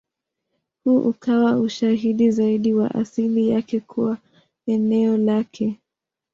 Huu ukawa ushahidi zaidi wa asili yake kuwa eneo lake.